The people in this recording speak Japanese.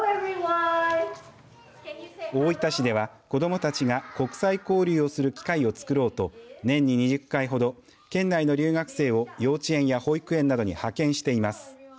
大分市では子どもたちが国際交流をする機会をつくろうと年に２０回ほど県内の留学生を幼稚園や保育園などに派遣しています。